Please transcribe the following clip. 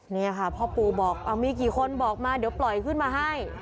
นี่ค่ะพ่อปูบอกมีกี่คนบอกมาเดี๋ยวปล่อยขึ้นมาให้